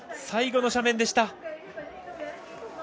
最後の斜面でした。